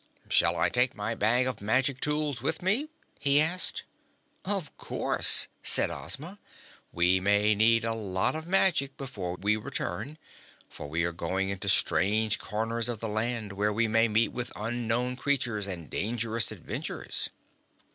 "Shall I take my bag of magic tools with me?" he asked. "Of course," said Ozma. "We may need a lot of magic before we return, for we are going into strange corners of the land, where we may meet with unknown creatures and dangerous adventures."